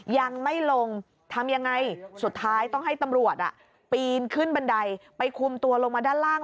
ยังไม่ลงทำยังไงสุดท้ายต้องให้ตำรวจปีนขึ้นบันไดไปคุมตัวลงมาด้านล่าง